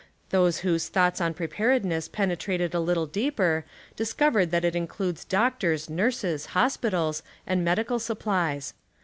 Those whose thoughts on preparedness penetrated a little deeper dis covered that it includes doctors, nurses, hospitals and medical supplies.